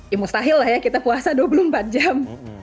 ya mustahil lah ya kita puasa dua puluh empat jam